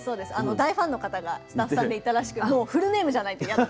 大ファンの方がスタッフさんでいたらしくフルネームじゃないと嫌だって。